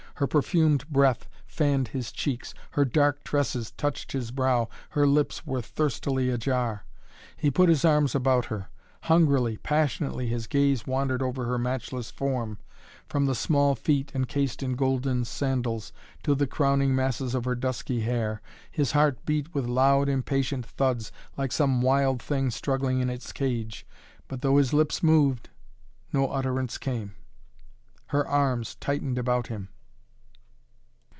Her perfumed breath fanned his cheeks; her dark tresses touched his brow. Her lips were thirstily ajar. He put his arms about her. Hungrily, passionately, his gaze wandered over her matchless form, from the small feet, encased in golden sandals, to the crowning masses of her dusky hair. His heart beat with loud, impatient thuds, like some wild thing struggling in its cage, but though his lips moved, no utterance came. Her arms tightened about him.